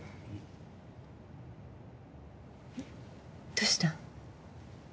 どうした？